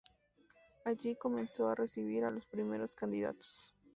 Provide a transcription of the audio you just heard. Allí comenzó a recibir a los primeros candidatos.